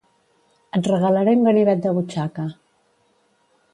Et regalaré un ganivet de butxaca